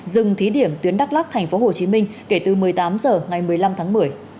dừng thí điểm tuyến đắk lắk thành phố hồ chí minh kể từ một mươi tám h ngày một mươi năm tháng một mươi